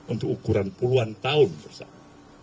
untuk ukuran puluhan tahun bersama